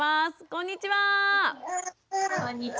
こんにちは。